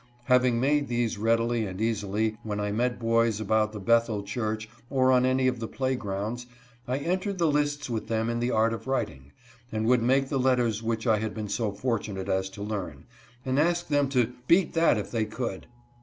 Having made these readily and easily, when I met boys about the Bethel church or on any of our play grounds, I entered the lists with them in the art of writing, and would make the letters which I had been so fortunate as to learn, and ask them to " beat that if they could."